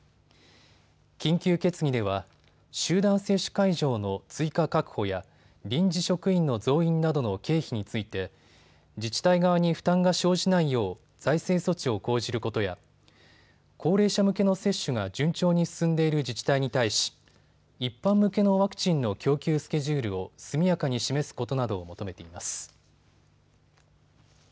緊急決議では集団接種会場の追加確保や臨時職員の増員などの経費について自治体側に負担が生じないよう財政措置を講じることや高齢者向けの接種が順調に進んでいる自治体に対し一般向けのワクチンの供給スケジュールを速やかに示すことなどを求めています。